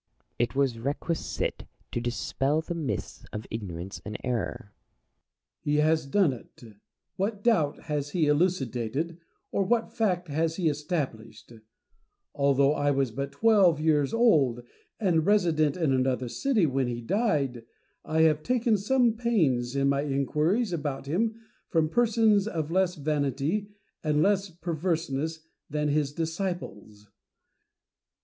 Plato. It was requisite to dispel the mists of ignorance and error. Diogenes. Has he done it \ What doubt has he eluci dated, or what fact has he established 1 Although I was 32 178 IMAGINARY CONVERSATIONS. but twelve years old and resident in another city when he died, I have taken some pains in my inquiries about him from persons of less vanity and less perverseness than his disciples.